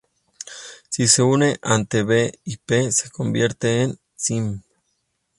Si se une, ante "b" y "p" se convierte en "sim-".